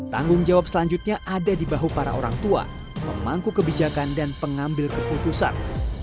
tanggung jawab selanjutnya ada di bahu para orang tua pemangku kebijakan dan pengambil keputusan